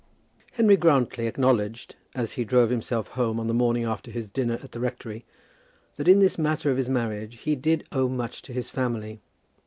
Henry Grantly acknowledged, as he drove himself home on the morning after his dinner at the rectory, that in this matter of his marriage he did owe much to his family.